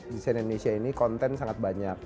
di cnn indonesia ini konten sangat banyak